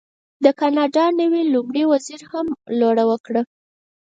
د کاناډا نوي لومړي وزیر هم لوړه وکړه.